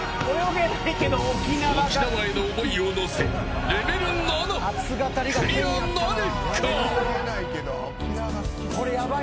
沖縄への思いを乗せ、レベル７クリアなるか。